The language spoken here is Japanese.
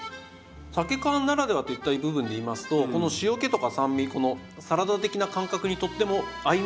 さけ缶ならではといった部分で言いますとこの塩気とか酸味このサラダ的な感覚にとっても合いますよねさけは。